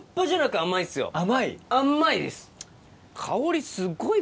甘い？